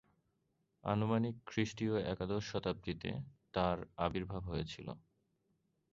আনুমানিক খ্রিষ্টীয় একাদশ শতাব্দীতে তাঁর আবির্ভাব হয়েছিল।